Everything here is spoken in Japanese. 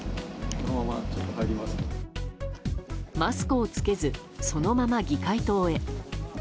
マスクを着けずそのまま議会棟へ。